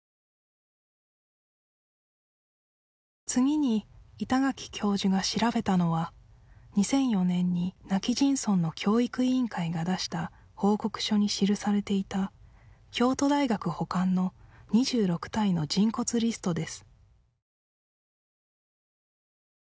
次に板垣教授が調べたのは２００４年に今帰仁村の教育委員会が出した報告書に記されていた京都大学保管の２６体の人骨リストです